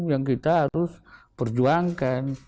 yang kita harus perjuangkan